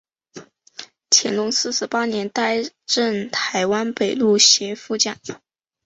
乾隆四十八年担任台湾北路协副将。